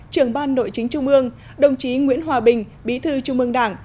trưởng ban nội chính trung ương đồng chí nguyễn hòa bình bí thư trung ương đảng